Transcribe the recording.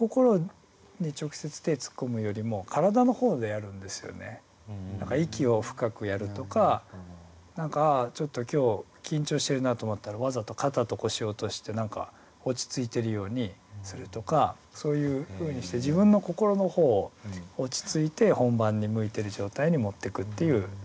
あるパフォーマンスっていうかその時には結局息を深くやるとか何かちょっと今日緊張してるなって思ったらわざと肩と腰を落として何か落ち着いてるようにするとかそういうふうにして自分の心の方を落ち着いて本番に向いてる状態に持ってくっていうやり方をしますね。